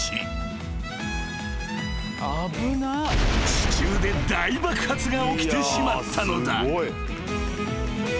［地中で大爆発が起きてしまったのだ］